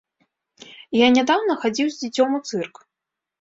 Я нядаўна хадзіў з дзіцём у цырк.